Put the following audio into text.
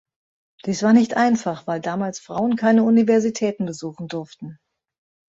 Dies war nicht einfach, weil damals Frauen keine Universitäten besuchen durften.